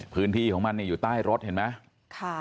พื้นที่ของมันอยู่ใต้รถเห็นไหม